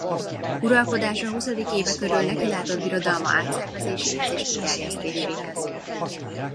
Uralkodása huszadik éve körül nekilátott birodalma átszervezéséhez és kiterjesztéséhez.